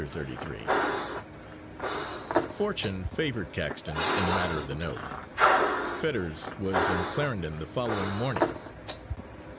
Thirty three Fortune favoured Caxton in the matter of the note. Fetters was in Clarendon the following morning.